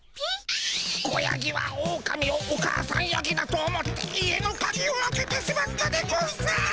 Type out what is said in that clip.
子ヤギはオオカミをお母さんヤギだと思って家のカギを開けてしまったでゴンス。